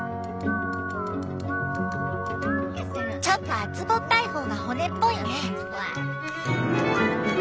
ちょっと厚ぼったい方が骨っぽいね。